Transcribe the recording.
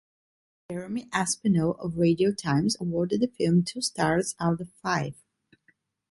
Jeremy Aspinall of "Radio Times" awarded the film two stars out of five.